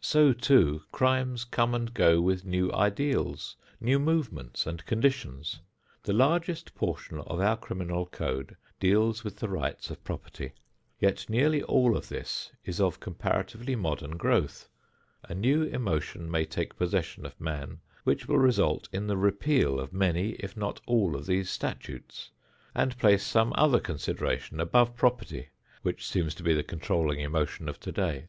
So, too, crimes come and go with new ideals, new movements and conditions. The largest portion of our criminal code deals with the rights of property; yet nearly all of this is of comparatively modern growth. A new emotion may take possession of man which will result in the repeal of many if not all of these statutes, and place some other consideration above property, which seems to be the controlling emotion of today.